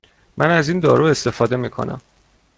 من از این دارو استفاده می کنم.